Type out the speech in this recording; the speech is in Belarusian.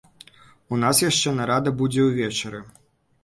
У нас яшчэ нарада будзе ўвечары.